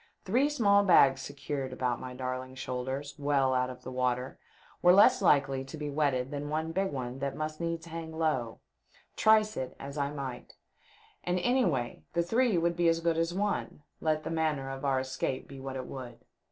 Three small baos secured about my darling's shoulders, well out of the water, were less likely to be wetted than one big one that must needs hang low, trice it as I LAND. 447 might ; and anyway the three, would be as good as one, let the manner of our escape be what it would.